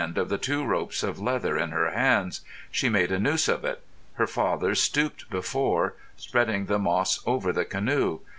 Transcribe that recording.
] She held the shorter of the two ropes of leather in her hands. She made a noose of it. Her father stooped before, spreading the moss over the canoe.